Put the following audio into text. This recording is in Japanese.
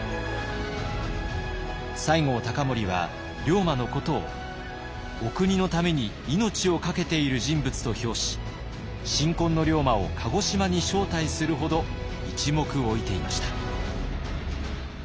西郷隆盛は龍馬のことをお国のために命をかけている人物と評し新婚の龍馬を鹿児島に招待するほど一目置いていました。